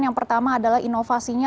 yang pertama adalah inovasinya